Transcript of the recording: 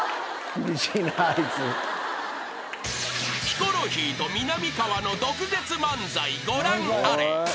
［ヒコロヒーとみなみかわの毒舌漫才ご覧あれ］